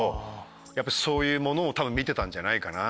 そういうものを多分見てたんじゃないかな。